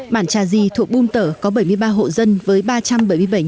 mản trà di thuộc bung tở có bảy mươi ba hộ dân với ba trăm bảy mươi bảy nhân dân